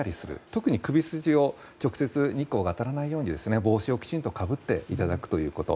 特に首筋に直接、日光が当たらないように帽子をきちんとかぶっていただくということ。